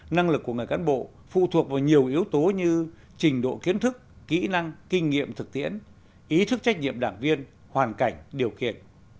năng lực của người cán bộ phụ thuộc vào nhiều yếu tố như trình độ kiến thức kỹ năng kinh nghiệm thực tiễn ý thức trách nhiệm đảng viên hoàn cảnh điều kiện